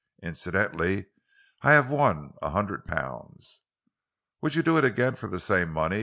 "Incidentally, I have won a hundred pounds." "Would you do it again for the same money?"